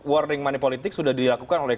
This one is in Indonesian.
warning money politik sudah dilakukan oleh